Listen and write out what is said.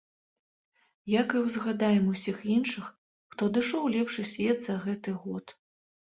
Як і ўзгадаем усіх іншых, хто адышоў у лепшы свет за гэты год.